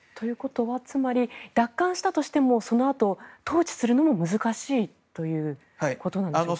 つまり奪還したとしてもそのあと統治するのも難しいということでしょうか？